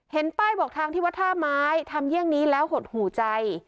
ป้ายบอกทางที่วัดท่าไม้ทำเยี่ยงนี้แล้วหดหูใจ